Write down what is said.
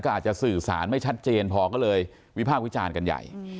อาจจะสื่อสารไม่ชัดเจนพอก็เลยวิพากษ์วิจารณ์กันใหญ่